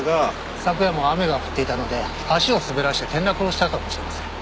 昨夜も雨が降っていたので足を滑らして転落をしたのかもしれません。